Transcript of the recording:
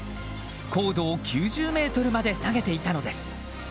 高度を９０ｍまで下げていたのです。